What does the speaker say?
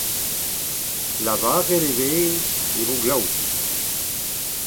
Lavaret e vez e vo glav.